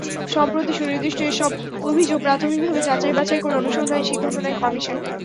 সম্প্রতি সুনির্দিষ্ট এসব অভিযোগ প্রাথমিকভাবে যাচাই বাছাই করে অনুসন্ধানের সিদ্ধান্ত নেয় কমিশন।